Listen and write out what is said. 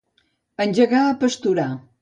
Engegar a pasturar.